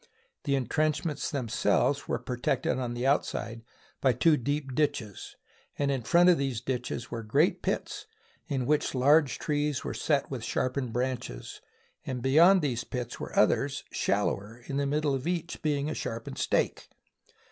The intrenchments themselves were protected on the outside by two deep ditches, and in front of these ditches were great pits in which large trees were set with sharpened branches, and beyond these pits were others, shallower, in the middle of each being a sharpened stake.